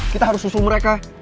kita harus susul mereka